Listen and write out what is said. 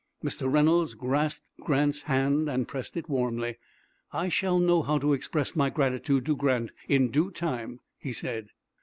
Mr. Reynolds grasped Grant's hand and pressed it warmly. "I shall know how to express my gratitude to Grant in due time," he said.